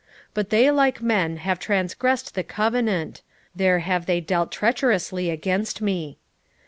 6:7 But they like men have transgressed the covenant: there have they dealt treacherously against me.